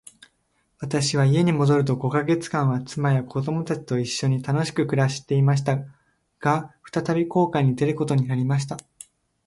私は家に戻ると五ヵ月間は、妻や子供たちと一しょに楽しく暮していました。が、再び航海に出ることになりました。